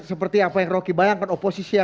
seperti apa yang rocky bayangkan oposisi yang